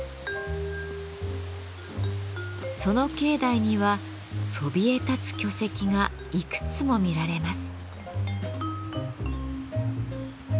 その境内にはそびえ立つ巨石がいくつも見られます。